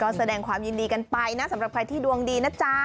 ก็แสดงความยินดีกันไปนะสำหรับใครที่ดวงดีนะจ๊ะ